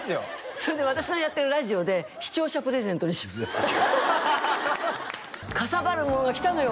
それで私のやってるラジオで視聴者プレゼントにしたかさばるものが来たのよ